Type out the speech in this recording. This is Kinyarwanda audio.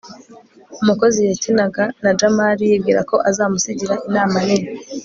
umukozi yakinaga na jamali yibwira ko azamusigira inama nini